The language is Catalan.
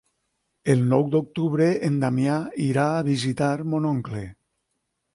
El nou d'octubre en Damià irà a visitar mon oncle.